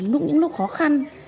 nụ những lúc khó khăn